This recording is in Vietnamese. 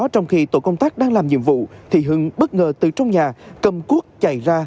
trong khi tổ công tác đang làm nhiệm vụ thì hưng bất ngờ từ trong nhà cầm cuốc chạy ra